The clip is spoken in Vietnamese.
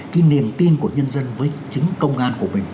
cái niềm tin của nhân dân với chính công an của mình